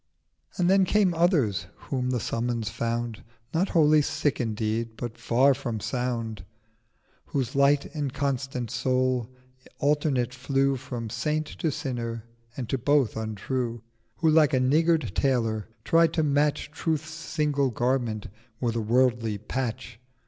720 And then came others whom the summons found Not wholly sick indeed, but far from sound: Whose light inconstant Soul alternate flew From Saint to Sinner, and to both untrue; Who like a niggard Tailor, tried to match Truth's single Garment with a worldly Patch.